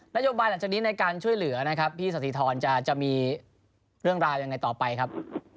โยบายหลังจากนี้ในการช่วยเหลือนะครับพี่สถิธรจะมีเรื่องราวยังไงต่อไปครับ